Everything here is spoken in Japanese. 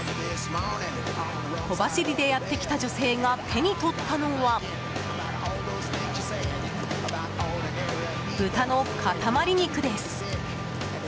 小走りでやってきた女性が手に取ったのは、豚の塊肉です。